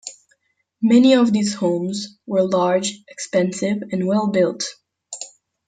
Many of these homes were large, expensive, and well-built.